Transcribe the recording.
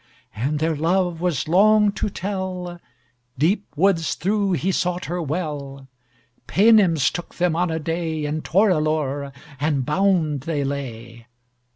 And their love was long to tell; Deep woods through he sought her well: Paynims took them on a day In Torelore, and bound they lay.